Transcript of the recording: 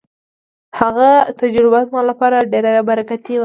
هغه تجربه زما لپاره ډېره برکتي وه.